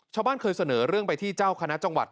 ชาวบ้านเคยเสนอเรื่องไปที่เจ้าคณะจังหวัด